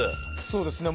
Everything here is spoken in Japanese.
そうですね